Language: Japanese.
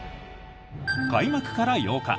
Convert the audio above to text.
開幕から８日